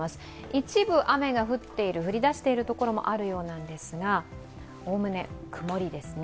一部雨が降っている、降り出しているところもあるようなんですがおおむね、曇りですね。